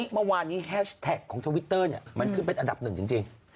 เมื่อวานนี้แฮชแท็กของทวิตเตอร์มันขึ้นเป็นอันดับหนึ่งจริง